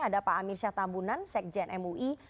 ada pak amir syah tambunan sekjen mui